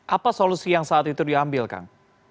apa solusi yang saat itu diambil kang